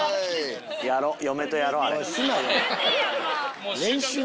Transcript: やろう嫁とやろう。